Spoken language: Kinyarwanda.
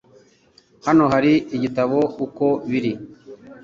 Hano hari igitabo uko biri